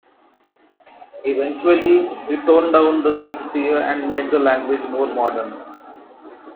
Eventually, he toned down the Shakespeare and made the language more modern.